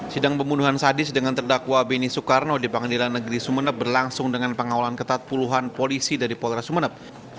sidang pembunuhan sadis dengan terdakwa beni soekarno di pengadilan negeri sumeneb berlangsung dengan pengawalan ketat puluhan polisi dari polres sumeneb